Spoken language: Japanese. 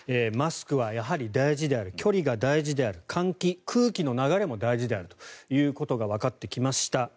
マスクはやはり大事である距離が大事である換気、空気の流れも大事であるということがわかってきました。